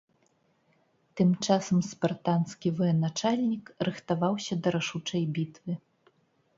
Тым часам спартанскі военачальнік рыхтаваўся да рашучай бітвы.